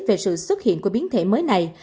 về sự xuất hiện của biến thể mới này